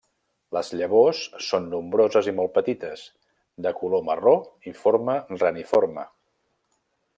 Les llavors són nombroses i molt petites, de color marró i forma reniforme.